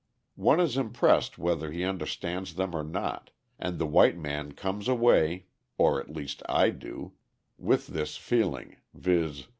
One is impressed whether he understands them or not, and the white man comes away, or at least I do, with this feeling, viz.